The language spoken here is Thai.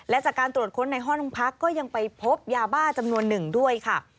และจากการตรวจค้นในห้องพักก็ยังไปพบยาบ้าจำนวนหนึ่งด้วยค่ะ